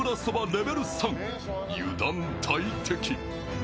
レベル３、油断大敵。